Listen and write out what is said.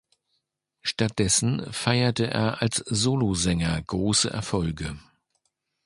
Stattdessen feierte er als Solosänger große Erfolge.